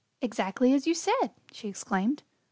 "Exactly as you said!" she exclaimed.